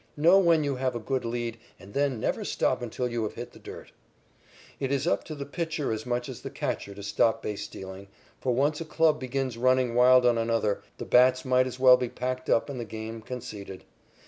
Know when you have a good lead and then never stop until you have hit the dirt." It is up to the pitcher as much as the catcher to stop base stealing, for once a club begins running wild on another, the bats might as well be packed up and the game conceded.